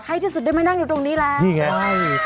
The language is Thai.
ใครที่สุดได้มานั่งอยู่ตรงนี้แล้ว